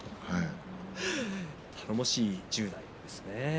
頼もしい１０代だったんですね。